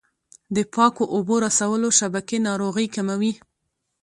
د پاکو اوبو رسولو شبکې ناروغۍ کموي.